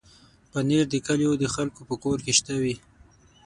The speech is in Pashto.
پنېر د کلیو د خلکو په کور کې شته وي.